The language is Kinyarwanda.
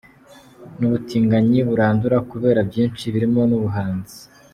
N’ubutinganyi burandura kubera byinshi birimo n’ubuhanzi.